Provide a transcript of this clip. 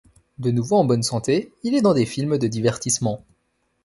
De nouveau en bonne santé, il est dans des films de divertissement.